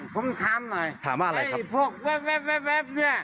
ผมมาทำเติมลมพี่